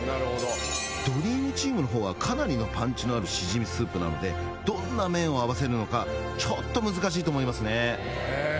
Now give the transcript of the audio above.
ドリームチームのほうはかなりのパンチのあるしじみスープなのでどんな麺を合わせるのかちょっと難しいと思いますね